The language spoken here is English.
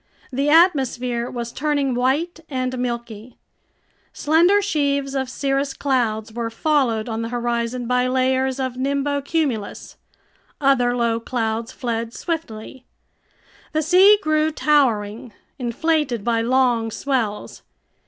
The atmosphere was turning white and milky. Slender sheaves of cirrus clouds were followed on the horizon by layers of nimbocumulus. Other low clouds fled swiftly. The sea grew towering, inflated by long swells.